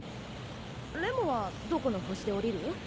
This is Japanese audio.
レモはどこの星で降りる？